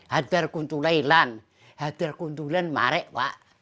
hadhorah kuntulailan hadhorah kuntulalan marek pak